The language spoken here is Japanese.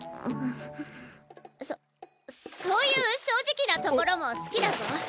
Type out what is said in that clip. そそういう正直なところも好きだぞ。